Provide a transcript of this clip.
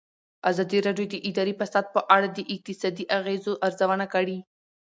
ازادي راډیو د اداري فساد په اړه د اقتصادي اغېزو ارزونه کړې.